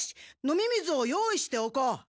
飲み水を用意しておこう。